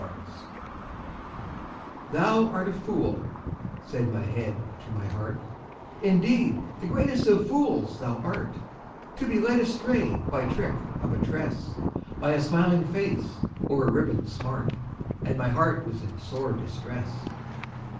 RETORT "Thou art a fool," said my head to my heart, "Indeed, the greatest of fools thou art, To be led astray by the trick of a tress, By a smiling face or a ribbon smart;" And my heart was in sore distress.